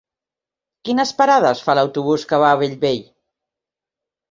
Quines parades fa l'autobús que va a Bellvei?